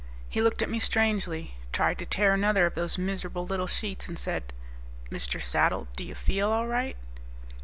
He looked at me strangely, tried to tear another of those miserable little sheets, and said, "Mr. Saddle, do you feel all right?"